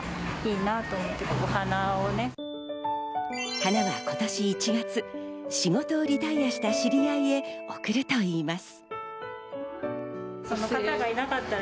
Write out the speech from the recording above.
花は今年１月、仕事をリタイアした知り合いへ贈るといいます。